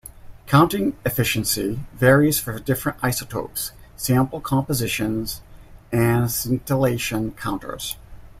Counting efficiency varies for different isotopes, sample compositions and scintillation counters.